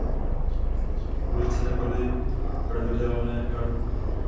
Ulice nebyly pravidelné a rovné.